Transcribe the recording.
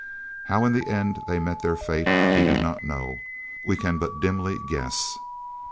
How in the end they met their fate we do not know we can but dimly guess.